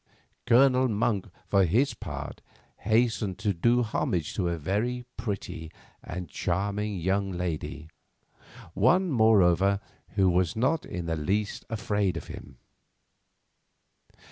Colonel Monk for his part hastened to do homage to a very pretty and charming young lady, one, moreover, who was not in the least afraid of him.